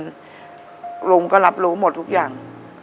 ลุงก็รับรู้หมดทุกอย่าง